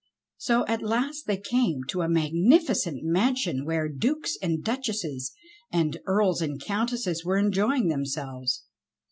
So at last they came to a magnificent mansion where Dukes and Duchesses and Earls and Countesses were en joying themselves.